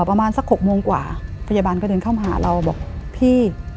ประมาณสัก๖โมงกว่าพยาบาลก็เดินเข้ามาหาเราบอกพี่